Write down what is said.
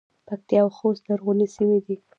پکتیا او خوست لرغونې سیمې دي